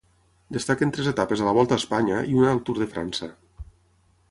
Destaquen tres etapes a la Volta a Espanya i una al Tour de França.